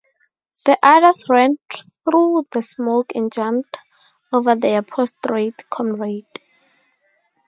The others ran through the smoke and jumped over their prostrate comrade.